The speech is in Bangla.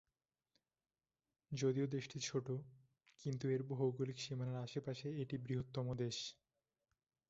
যদিও দেশটি ছোট, কিন্তু এর ভৌগোলিক সীমানার আশেপাশে এটি বৃহত্তম দেশ।